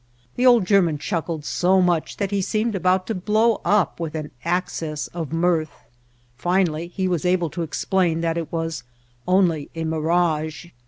The old German chuckled so much that he seemed about to blow up with access of mirth. Finally he was able to explain that it was only a mirage.